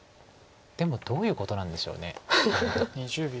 でもどういうことなんでしょう。